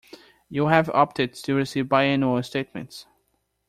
You have opted to receive biannual statements.